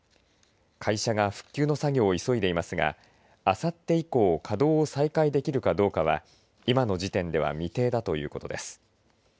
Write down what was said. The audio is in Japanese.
会社が復旧の作業を急いでいますがあさって以降稼働を再開できるかどうかは今の時点では未定だということです。